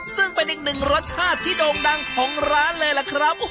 ซึ่งเป็นอีกหนึ่งรสชาติที่โด่งดังของร้านเลยล่ะครับ